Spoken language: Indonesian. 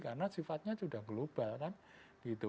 karena sifatnya sudah global kan gitu